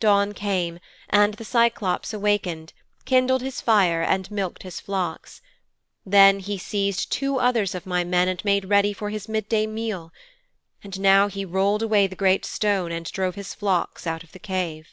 'Dawn came, and the Cyclops awakened, kindled his fire and milked his flocks. Then he seized two others of my men and made ready for his mid day meal. And now he rolled away the great stone and drove his flocks out of the cave.'